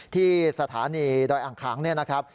ที่สถานีดอยอ่างค้างเนี่ยนะครับ